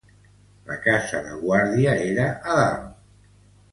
La casa de guàrdia era a dalt.